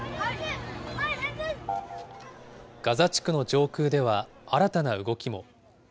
ガザ地区の上空では新たな動きも。